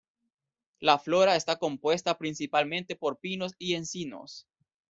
La flora está compuesta principalmente por pinos y encinos.